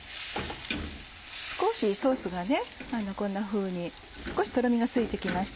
ソースがこんなふうに少しとろみがついて来ました。